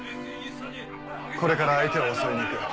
これから相手を襲いに行く。